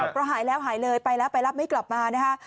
เพราะหายแล้วหายเลยไปแล้วไปรับไม่กลับมานะคะ